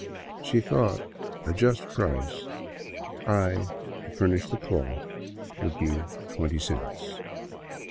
She thought a just price, I to fur nish the cloth, would be twenty cents